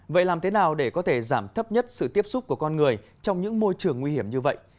vậy làm thế nào để có thể giảm thấp nhất sự tiếp xúc của con người trong những môi trường nguy hiểm như vậy